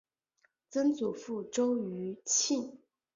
曾祖父周余庆。